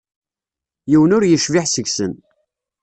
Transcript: Yiwen ur yecbiḥ seg-sen.